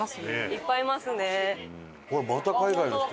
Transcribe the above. いっぱいいますね。